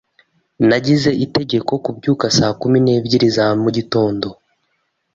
Nagize itegeko kubyuka saa kumi n'ebyiri za mugitondo.